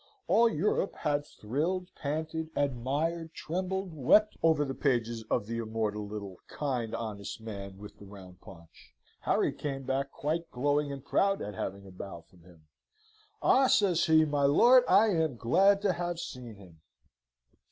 All Europe had thrilled, panted, admired, trembled, wept, over the pages of the immortal little, kind, honest man with the round paunch. Harry came back quite glowing and proud at having a bow from him. "Ah!" says he, "my lord, I am glad to have seen him!"